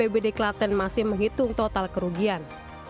dalam peristiwa ini bpbd klaten masih menghitung total kerugian